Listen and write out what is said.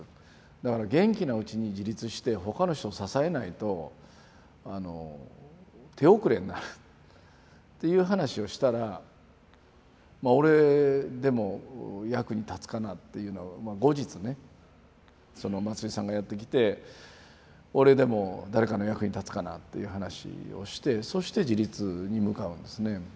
だから元気なうちに自立して他の人を支えないと手遅れになるっていう話をしたら俺でも役に立つかなって後日ねその松井さんがやって来て俺でも誰かの役に立つかなっていう話をしてそして自立に向かうんですね。